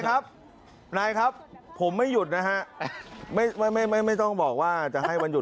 ครับนายครับผมไม่หยุดนะฮะไม่ไม่ไม่ต้องบอกว่าจะให้วันหยุ